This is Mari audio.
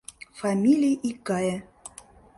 Фамилий икгае.